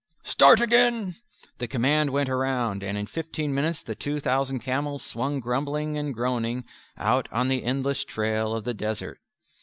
"Start again," the command went round, and in fifteen minutes the two thousand camels swung grumbling and groaning out on the endless trail of the desert.